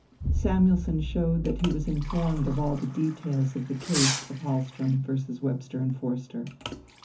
Samuelson showed that he was informed of all the details of the case of Hahlström vs. Webster and Forster.